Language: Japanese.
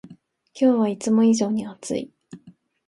今日はいつも以上に暑い